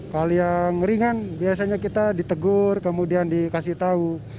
kalau yang ringan biasanya kita ditegur kemudian dikasih tahu